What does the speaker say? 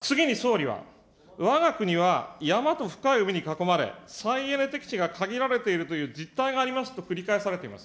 次に総理は、わが国は山と深い海に囲まれ、再エネ適地が限られているという実態がありますと繰り返されています。